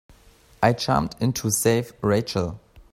I jumped in to save Rachel.